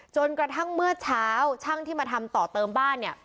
จนกระทั่งเมื่อเช้าช่างที่มาทำต่อเติมบ้านเนี่ย